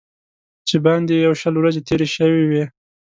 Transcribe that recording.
چې باندې یې یو شل ورځې تېرې شوې وې.